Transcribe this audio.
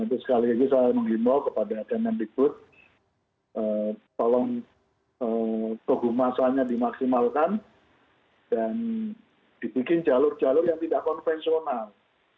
itu sekali lagi saya menghimbau kepada dprd tolong kegumasannya dimaksimalkan dan dibikin jalur jalur yang tidak konvensional